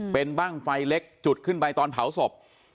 เป็นบ้างไฟเล็กจุดขึ้นไปตอนเผาศพ